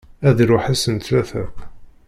Ad iṛuḥ ass n tlata.